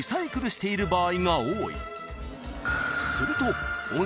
［すると］